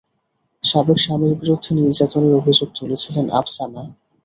সাবেক স্বামীর বিরুদ্ধে নির্যাতনের অভিযোগ তুলেছিলেন আপসানা।